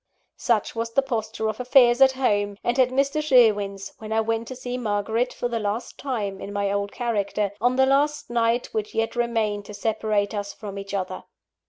Such was the posture of affairs at home, and at Mr. Sherwin's, when I went to see Margaret for the last time in my old character, on the last night which yet remained to separate us from each other.